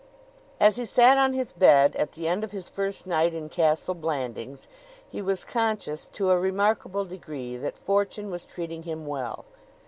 As he sat on his bed at the end of his first night in Castle Blandings, he was conscious to a remarkable degree that Fortune was treating him well.